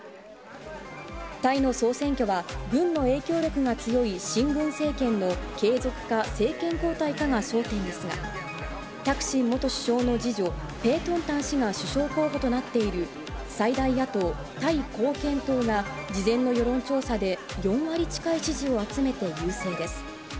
タイの総選挙は、軍の影響力が強い親軍政権の継続か政権交代かが焦点ですが、タクシン元首相の次女、ペートンタン氏が首相候補となっている、最大野党・タイ貢献党が、事前の世論調査で４割近い支持を集めて優勢です。